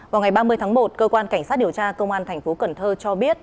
vào ngày ba mươi tháng một cơ quan cảnh sát điều tra công an tp hcm cho biết